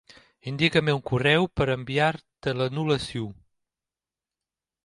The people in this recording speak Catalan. Indica'm un correu per enviar-te l'anul·lació.